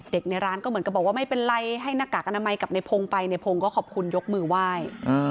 ในร้านก็เหมือนกับบอกว่าไม่เป็นไรให้หน้ากากอนามัยกับในพงศ์ไปในพงศ์ก็ขอบคุณยกมือไหว้